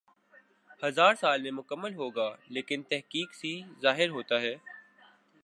ہزا ر سال میں مکمل ہوگا لیکن تحقیق سی ظاہر ہوتا ہی